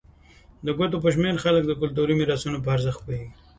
د ګوتو په شمېر خلک د کلتوري میراثونو په ارزښت پوهېږي.